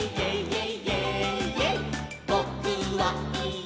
「ぼ・く・は・い・え！